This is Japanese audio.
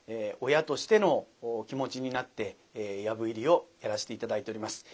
親としての気持ちになって「藪入り」をやらせて頂いております。